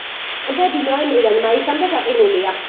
ტბები ნოემბრიდან მაისამდე გაყინულია.